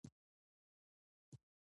زه هم ډېر مالدار نه یم.